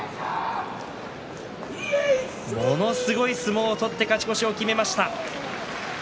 ものすごい相撲を取って勝ち越しを決めました。